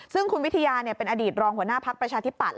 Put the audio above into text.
ซึ่งคุณวิทยาเป็นอดีตรองหัวหน้าภักดิ์ประชาธิปัตย